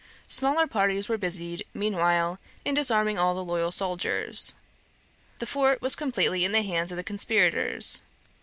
Smaller parties were busied, meanwhile, in disarming all the loyal soldiers. The fort was completely in the hands of the conspirators.